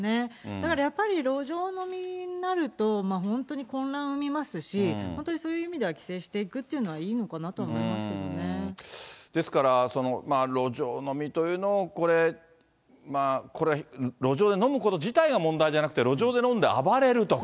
だからやっぱり路上飲みになると、本当に混乱を生みますし、本当にそういう意味では規制していくっていうのはいいのかなとはですから、路上飲みというのを、これ、これは路上で飲むこと自体が問題じゃなくて、路上で飲んで暴れるとか。